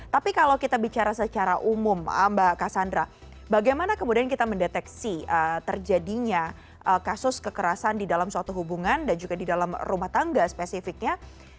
tapi kalau kita bicara secara umum mbak kassandra bagaimana kemudian kita mendeteksi terjadinya kasus kekerasan di dalam suatu hubungan dan juga di dalam rumah tangga spesifiknya